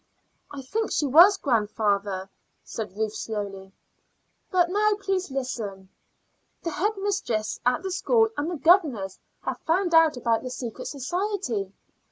"I think she was, grandfather," said Ruth slowly. "But now please listen. The head mistress at the school and the governors have found out about the secret society.